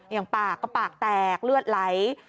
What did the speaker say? อย่างปากก็ปากแตกเลือดไหล